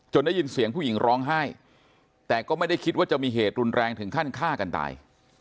ได้ยินเสียงผู้หญิงร้องไห้แต่ก็ไม่ได้คิดว่าจะมีเหตุรุนแรงถึงขั้นฆ่ากันตาย